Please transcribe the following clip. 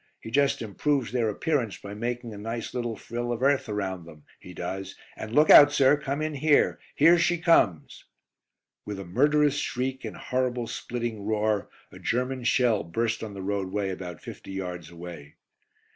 He just improves their appearance by making a nice little frill of earth around them, he does, and look out, sir; come in here. "Here she comes!" With a murderous shriek and horrible splitting roar a German shell burst on the roadway about fifty yards away.